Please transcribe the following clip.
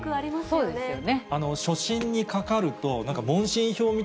そうですね。